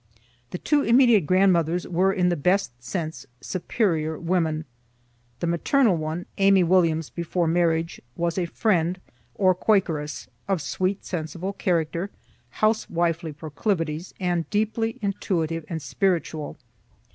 The two immediate grandmothers were, in the best sense, superior women. The maternal one (Amy Williams before marriage) was a Friend, or Quakeress, of sweet, sensible character, house wifely proclivities, and deeply intuitive and spiritual.